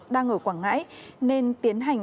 đang ở quảng ngãi nên tiến hành